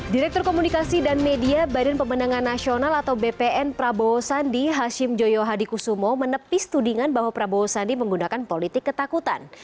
direktur komunikasi dan media badan pemenangan nasional atau bpn prabowo sandi hashim joyo hadikusumo menepis tudingan bahwa prabowo sandi menggunakan politik ketakutan